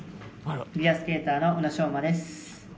フィギュアスケーターの宇野昌磨です。